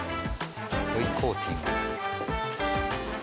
追いコーティング。